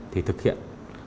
thì thực hiện